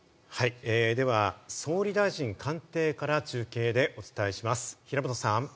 では総理大臣官邸から中継でお伝えします、平本さん。